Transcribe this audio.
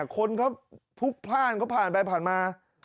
คนเขาพุกผ้านก็ผ่านไปผ่านมา